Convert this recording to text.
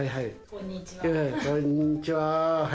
こんにちは